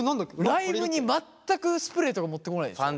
ライブに全くスプレーとか持ってこないでしょ。